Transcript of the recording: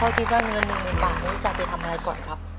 ถ้าคิดว่าเงิน๑๐๐๐บาทนี้จะไปทำอะไรก่อนครับ